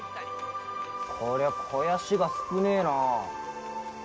これは肥やしが少ねぇな。